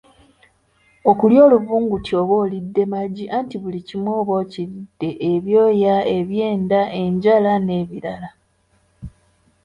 "Okulya oluvulunguti oba olidde magi anti buli kimu oba okiridde ebyoya, ebyenda, enjala n’ebirala"